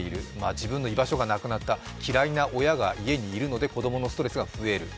自分の居場所がなくなった、嫌いな親が家にいるので子供のストレスが増える。